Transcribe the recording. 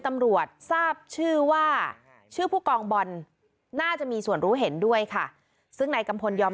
ตำรวจทราบชื่อว่าชื่อผู้กองบอลน่าจะมีส่วนรู้เห็นด้วยค่ะซึ่งนายกัมพลยอม